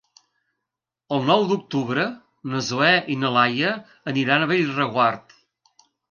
El nou d'octubre na Zoè i na Laia aniran a Bellreguard.